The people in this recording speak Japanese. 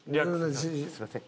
すみません。